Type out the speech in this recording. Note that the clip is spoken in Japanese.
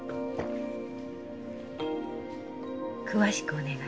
詳しくお願い。